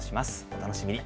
お楽しみに。